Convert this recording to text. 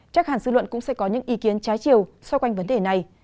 chắc hẳn dư luận cũng sẽ có những ý kiến trái chiều so với vấn đề này